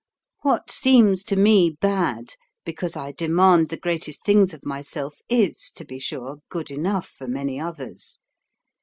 What seems to me bad, because I demand the greatest things of myself, is, to be sure, good enough for many others.